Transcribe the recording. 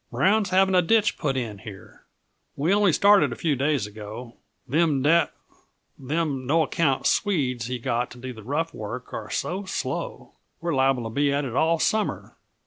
Brown's having a ditch put in here. We only started a few days ago; them da them no account Swedes he got to do the rough work are so slow, we're liable to be at it all summer.